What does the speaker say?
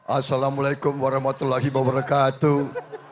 assalamualaikum warahmatullahi wabarakatuh